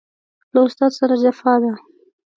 له استاد سره جفا ده